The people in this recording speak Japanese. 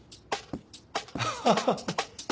アハハハ。